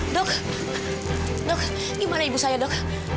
dok dok gimana ibu saya dok